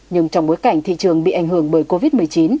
nhưng trong bối cảnh thị trường bị ảnh hưởng bởi covid một mươi chín